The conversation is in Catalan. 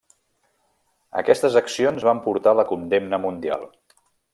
Aquestes accions van portar la condemna mundial.